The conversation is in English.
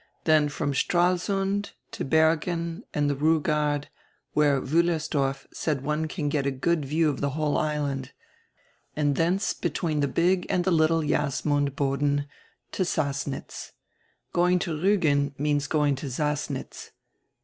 Then from Stralsund to Bergen and die Rugard, where Wiillersdorf said one can get a good view of die whole island, and thence between the Big and die Little Jasmund Bodden to Sass nitz. Going to Riigen means going to Sassnitz.